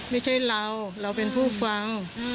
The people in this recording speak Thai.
ไม่ใช่เราเราเป็นผู้ฟัง